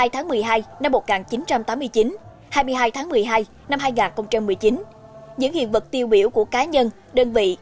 hai mươi tháng một mươi hai năm một nghìn chín trăm tám mươi chín hai mươi hai tháng một mươi hai năm hai nghìn một mươi chín những hiện vật tiêu biểu của cá nhân đơn vị